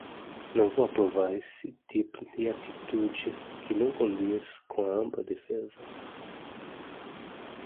Não vou aprovar esse tipo de atitude que não condiz com a ampla defesa